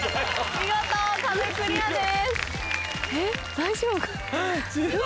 見事壁クリアです。